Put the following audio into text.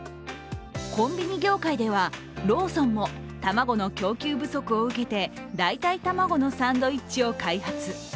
コンビニ業界ではローソンも卵の供給不足を受けて代替卵のサンドイッチを開発。